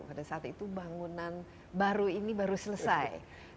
pada saat itu bangunan baru ini baru selesai